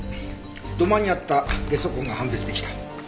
土間にあったゲソ痕が判別出来た。